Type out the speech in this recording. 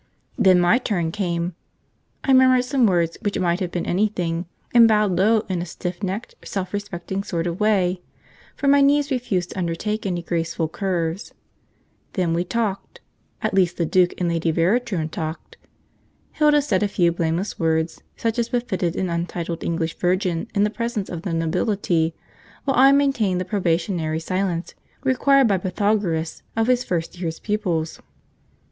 Then my turn came. I murmured some words which might have been anything, and curtsied in a stiff necked self respecting sort of way. Then we talked, at least the duke and Lady Veratrum talked. Hilda said a few blameless words, such as befitted an untitled English virgin in the presence of the nobility; while I maintained the probationary silence required by Pythagoras of his first year's pupils.